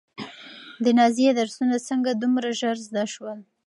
د نازيې درسونه څنګه دومره ژر زده شول؟